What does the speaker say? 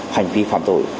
hành vi phạm tội